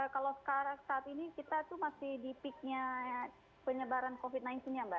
kalau saat ini kita tuh masih di peaknya penyebaran covid sembilan belas nya mbak